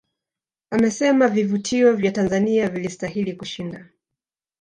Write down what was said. Amesema vivutio vya Tanzania vilistahili kushinda